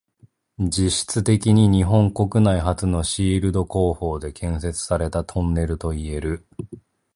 実質的に日本国内初のシールド工法で建設されたトンネルといえる。